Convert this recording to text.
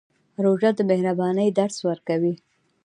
روژه د مهربانۍ درس ورکوي.